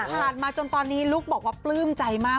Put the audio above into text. มาจนตอนนี้ลุ๊กบอกว่าปลื้มใจมาก